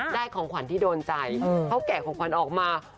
ของขวัญที่โดนใจเขาแกะของขวัญออกมา